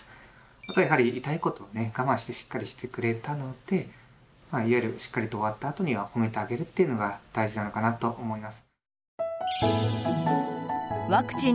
あとやはり痛いことをね我慢してしっかりしてくれたのでいわゆるしっかりと終わったあとには褒めてあげるというのが大事なのかなと思います。